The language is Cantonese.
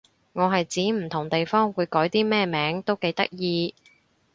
我係指唔同地方會改啲咩名都幾得意